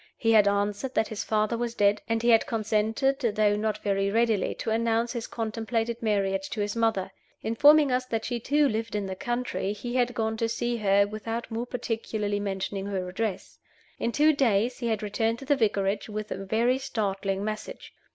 He had answered that his father was dead; and he had consented, though not very readily, to announce his contemplated marriage to his mother. Informing us that she too lived in the country, he had gone to see her, without more particularly mentioning her address. In two days he had returned to the Vicarage with a very startling message.